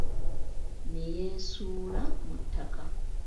Neyeesuula mu ttaka.